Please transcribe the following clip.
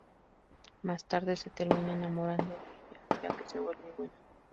Más tarde se termina enamorando de ella, ya que se vuelve buena.